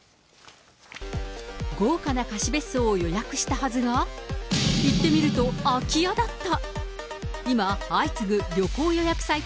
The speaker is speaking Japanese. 豪華な貸別荘を予約したはずが、行ってみると空き家だった。